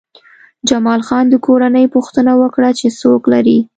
جمال خان د کورنۍ پوښتنه وکړه چې څوک لرې